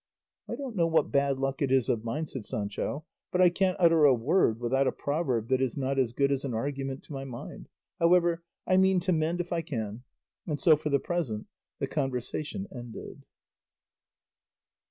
"I don't know what bad luck it is of mine," said Sancho, "but I can't utter a word without a proverb that is not as good as an argument to my mind; however, I mean to mend if I can;" and so for the present the conversation ended.